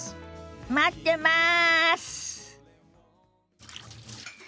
待ってます！